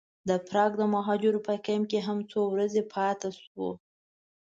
د پراګ د مهاجرو په کمپ کې هم څو ورځې پاتې شوو.